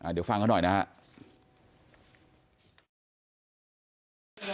เดี๋ยวฟังเขาหน่อยนะครับ